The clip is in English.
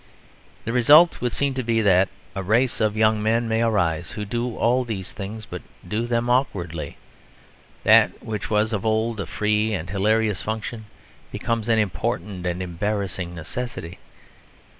The result would seem to be that a race of young men may arise who do all these things, but do them awkwardly. That which was of old a free and hilarious function becomes an important and embarrassing necessity.